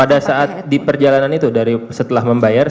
pada saat di perjalanan itu dari setelah membayar